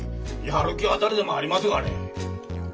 やる気は誰でもありますがね。